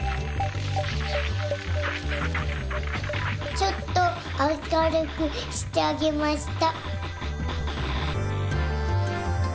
ちょっとあかるくしてあげました。